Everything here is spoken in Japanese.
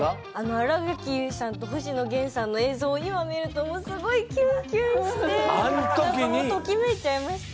新垣結衣さんと星野源さんの映像を今見るとすごいキュンキュンしてときめいちゃいました。